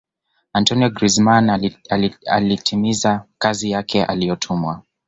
antoine grizman alitimiza kazi yake aliyotumwa